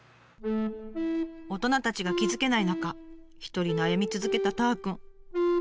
大人たちが気付けない中一人悩み続けたたーくん。